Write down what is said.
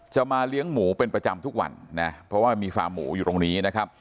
มาเลี้ยงหมูเป็นประจำทุกวันนะเพราะว่ามีฟาร์มหมูอยู่ตรงนี้นะครับ